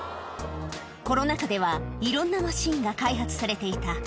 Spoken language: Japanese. コロナ禍では、いろんなマシンが開発されていた。